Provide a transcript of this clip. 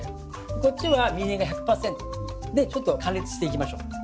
こっちはみりんが１００％。でちょっと加熱していきましょう。